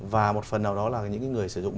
và một phần nào đó là những người sử dụng